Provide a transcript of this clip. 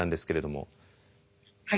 はい。